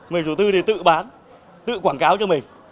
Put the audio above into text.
mình chủ tư thì tự bán tự quảng cáo cho mình